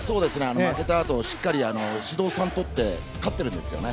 負けたあと、しっかり指導３をとって勝ってるんですよね。